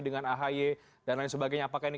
dengan ahy dan lain sebagainya apakah ini